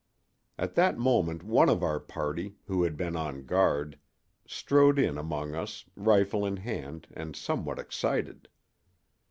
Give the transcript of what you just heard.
At that moment one of our party, who had been on guard, strode in among us, rifle in hand and somewhat excited.